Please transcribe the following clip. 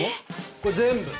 これ全部。